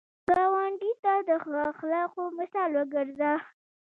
ګاونډي ته د ښه اخلاقو مثال وګرځه